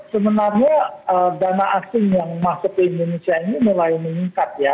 sebenarnya dana asing yang masuk ke indonesia ini mulai meningkat ya